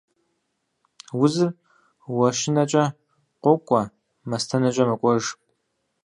Узыр уэщынэкӀэ къокӀуэ, мастэнэкӀэ мэкӀуэж.